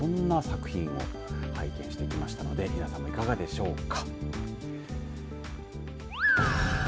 そんな作品を拝見してきましたので皆さま、いかがでしょうか。